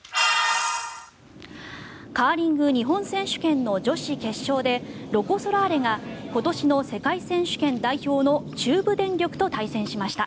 カーリング日本選手権の女子決勝でロコ・ソラーレが今年の世界選手権代表の中部電力と対戦しました。